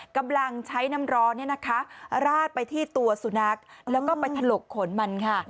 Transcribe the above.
กำลังใช้น้ำร้อนราดไปที่ตัวสุนัขแล้วก็ไปถลกขนมันค่ะ